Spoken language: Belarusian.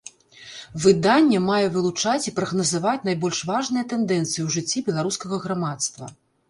Выданне мае вылучаць і прагназаваць найбольш важныя тэндэнцыі ў жыцці беларускага грамадства.